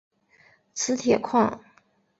磁铁矿。